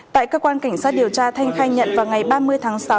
tại cơ quan cảnh sát điều tra thanh khai nhận vào ngày ba mươi tháng sáu